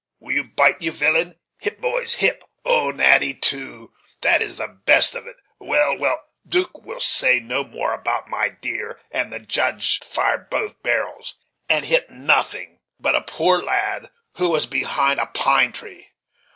Will you bite, you villain? hip, boys, hip! Old Natty, too, that is the best of it! Well, well 'Duke will say no more about my deer and the Judge fired both barrels, and hit nothing but a poor lad who was behind a pine tree.